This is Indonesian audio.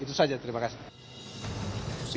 itu saja terima kasih